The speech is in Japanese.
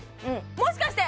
もしかして！